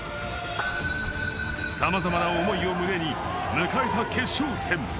さまざまな思いを胸に迎えた決勝戦。